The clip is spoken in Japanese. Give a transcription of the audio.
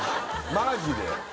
マジで？